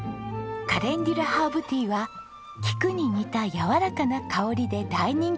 カレンデュラハーブティーはキクに似たやわらかな香りで大人気。